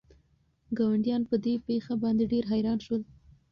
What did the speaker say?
ګاونډیان په دې پېښه باندې ډېر حیران شول.